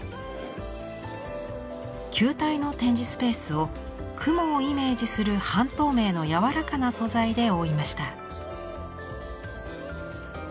球体の展示スペースを雲をイメージする半透明の柔らかな素材で覆いました。